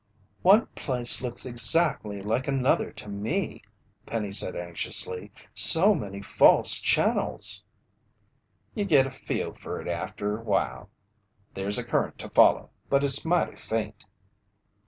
"One place looks exactly like another to me," Penny said anxiously. "So many false channels!" "Ye git a feel fer it after awhile. There's a current to follow, but it's mighty faint."